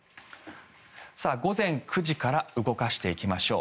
午前９時から動かしていきましょう。